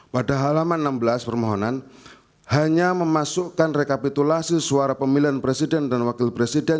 pada halaman enam belas permohonan hanya memasukkan rekapitulasi suara pemilihan presiden dan wakil presiden